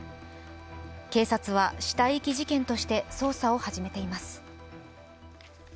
警察は、死体遺棄事件として捜査を始めています。